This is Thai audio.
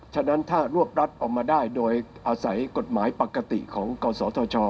ฉะนั้นถ้ารวบรัฐออกมาได้โดยอาศัยกฎหมายปกติของกศธช